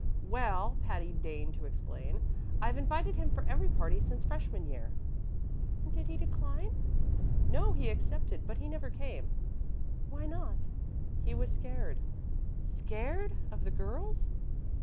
"Well," Patty deigned to explain, "I've invited him for every party since freshman year." "And did he decline?" "No; he accepted, but he never came." "Why not?" "He was scared." "Scared? Of the girls?"